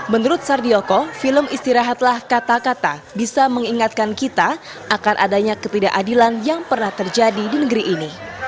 menurut sardioko film istirahatlah kata kata bisa mengingatkan kita akan adanya ketidakadilan yang pernah terjadi di negeri ini